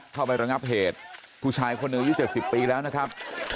เข้าไประงับเหตุผู้ชายคนหนึ่งยี่เจ็บสิบปีแล้วนะครับ